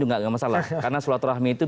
enggak masalah karena selatu rahmi itu